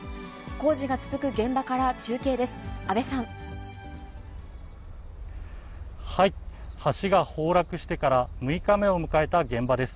工事が続く現場から中継です。